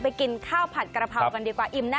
ไปกินข้าวผัดกระเภากันดีกว่า